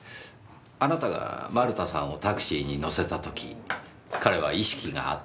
あなたが丸田さんをタクシーに乗せた時彼は意識があった。